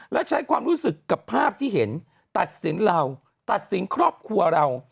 และใช้ความรู้สึกกับภาพที่เห็นตัดสินเราตัดสินครอบครัวเรา